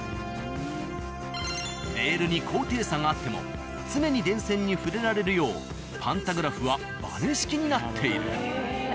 レールに高低差があっても常に電線に触れられるようパンタグラフはバネ式になっている。